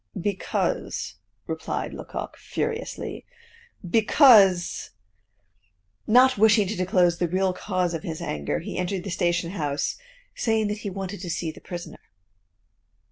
"Because," replied Lecoq, furiously, "because " Not wishing to disclose the real cause of his anger, he entered the station house, saying that he wanted to see the prisoner.